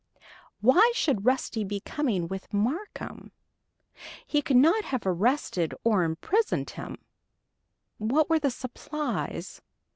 Why should Rusty be coming with Marcum? He could not have arrested or imprisoned him. What were the supplies?